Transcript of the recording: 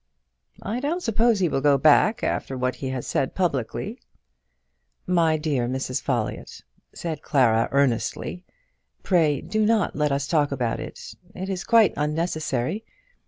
"I don't suppose he will go back after what he has said publicly." "My dear Mrs. Folliott," said Clara earnestly, "pray do not let us talk about it. It is quite unnecessary.